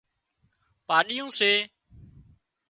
پاڏيون سي